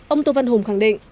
ông tô văn hùng khẳng định